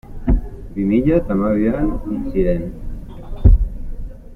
Bi mila eta hamabian hil ziren.